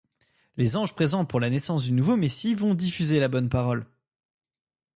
Les anges présents pour la naissance du nouveau messie vont diffuser la bonne parole.